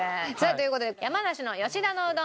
という事で山梨の吉田のうどん